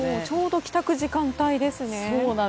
ちょうど帰宅時間帯ですね。